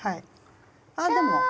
あでも。